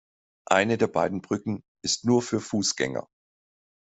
Eine der beiden Brücken ist nur für Fußgänger.